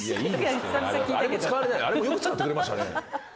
あれもよく使ってくれましたね。